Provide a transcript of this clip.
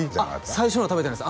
最初のは食べてないです